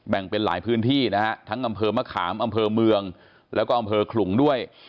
เป็นหลายพื้นที่นะฮะทั้งอำเภอมะขามอำเภอเมืองแล้วก็อำเภอขลุงด้วย